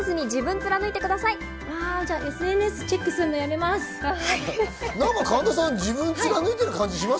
ＳＮＳをチェックするのをやめます。